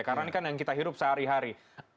karena ini kan yang kita hidup sehari hari